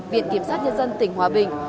viện kiểm sát nhân dân tp hcm